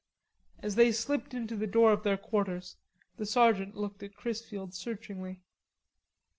As they slipped in the door of their quarters, the sergeant looked at Chrisfield searchingly.